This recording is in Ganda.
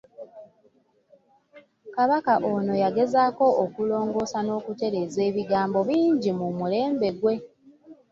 Kabaka ono yagezaako okulongoosa n'okutereeza ebigambo bingi mu mulembe gwe.